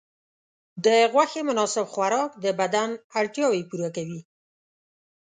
د غوښې مناسب خوراک د بدن اړتیاوې پوره کوي.